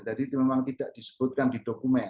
jadi memang tidak disebutkan di dokumen